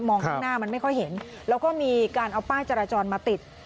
ข้างหน้ามันไม่ค่อยเห็นแล้วก็มีการเอาป้ายจราจรมาติด